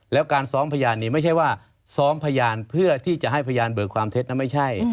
แล้วการซ้อมพยานนี้ไม่ใช่ว่าซ้อมพยานเพื่อที่จะให้พยานเบิกความเท็จนะไม่ใช่